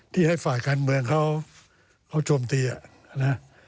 ที่ให้ฝ่ายการเมืองเขาโจมตีนะ